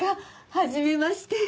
はじめまして。